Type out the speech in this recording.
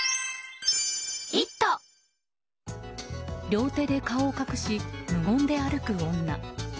両手で顔を隠し無言で歩く女。